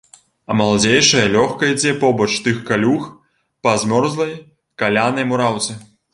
А маладзейшая лёгка ідзе побач тых калюг па змёрзлай, калянай мураўцы.